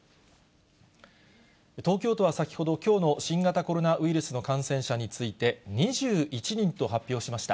東京都は先ほど、きょうの新型コロナウイルスの感染者について、２１人と発表しました。